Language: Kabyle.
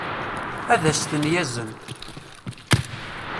ad as-ten-yazen